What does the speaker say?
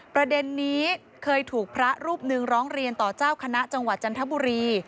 ประเด็นนี้เคยถูกพระรูปหนึ่งร้องเรียนต่อเจ้าคณะจังหวัดจันทบุรี